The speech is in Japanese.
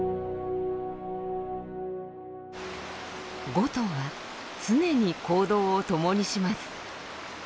５頭は常に行動を共にします。